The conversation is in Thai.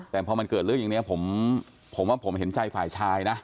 แต่พอมันเกิดเรื่องอย่างนี้ผมว่าผมเห็นใจฝ่ายชายนะ